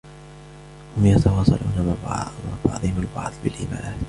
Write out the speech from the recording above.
هم يتواصلون مع بعضهم البعض بالإيماءات.